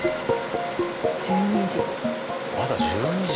１２時。